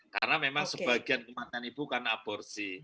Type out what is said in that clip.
karena memang sebagian kematian ibu karena aborsi